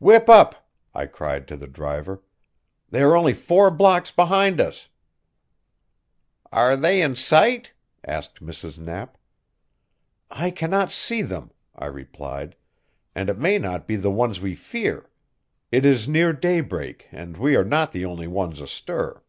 "Whip up!" I cried to the driver. "They are only four blocks behind us." "Are they in sight?" asked Mrs. Knapp. "I can not see them," I replied, "and it may not be the ones we fear. It is near daybreak, and we are not the only ones astir."